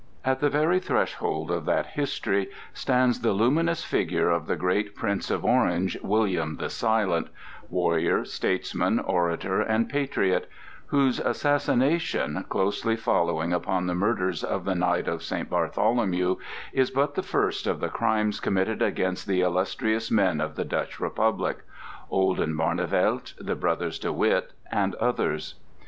At the very threshold of that history stands the luminous figure of the great Prince of Orange, William the Silent,—warrior, statesman, orator, and patriot; whose assassination, closely following upon the murders of the night of St. Bartholomew, is but the first of the crimes committed against the illustrious men of the Dutch Republic—Olden Barnevelt, the brothers De Witt, and others.